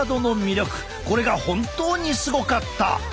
これが本当にすごかった！